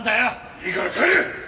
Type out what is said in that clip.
いいから帰れ！